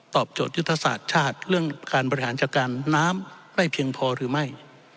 โจทยุทธศาสตร์ชาติเรื่องการบริหารจัดการน้ำไม่เพียงพอหรือไม่